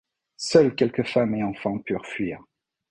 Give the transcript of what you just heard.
Seuls quelques femmes et enfants purent fuir.